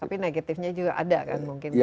tapi negatifnya juga ada kan mungkin